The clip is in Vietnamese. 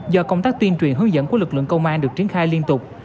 do công tác tuyên truyền hướng dẫn của lực lượng công an được triển khai liên tục